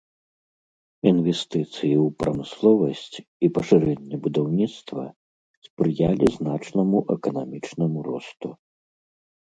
Інвестыцыі ў прамысловасць і пашырэнне будаўніцтва спрыялі значнаму эканамічнаму росту.